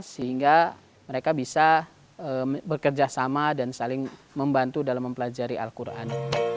sehingga mereka bisa bekerja sama dan saling membantu dalam mempelajari al quran